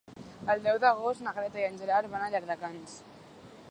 El deu d'agost na Greta i en Gerard van a Llardecans.